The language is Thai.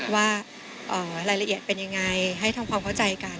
ว่ารายละเอียดเป็นยังไงให้ทำความเข้าใจกัน